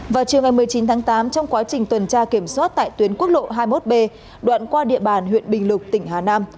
vào chiều ngày một mươi chín tháng tám trong quá trình tuần tra kiểm soát tại tuyến quốc lộ hai mươi một b đoạn qua địa bàn huyện bình lục tỉnh hà nam